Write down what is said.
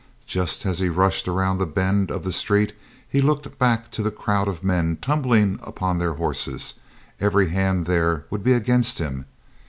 Just as he rushed around the bend of the street he looked back to the crowd of men tumbling upon their horses; every hand there would be against him.